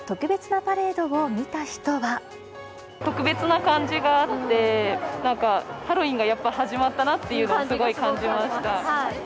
特別な感じがあって、なんかハロウィーンがやっぱり始まったなってすごい感じました。